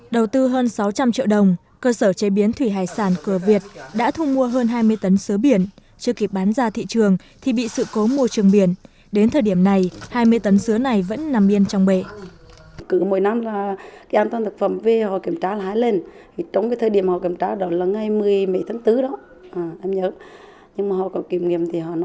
đầu tư hơn sáu trăm linh triệu đồng cơ sở chế biến thủy hải sản cờ việt đã thu mua hơn hai mươi tấn sứa biển chưa kịp bán ra thị trường thì bị sự cố môi trường biển đến thời điểm này hai mươi tấn sứa này vẫn nằm yên trong bể